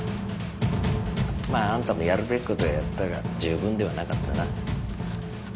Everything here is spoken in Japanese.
まああんたもやるべきことはやったが十分ではなかったな。